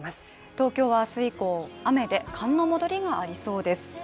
東京は明日以降、雨で寒の戻りがありそうです。